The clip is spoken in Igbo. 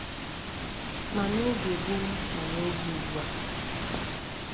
ma n'oge gboo ma n'oge ugbua